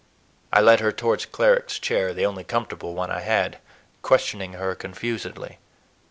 I led her toward Cleric's chair, the only comfortable one I had, questioning her confusedly.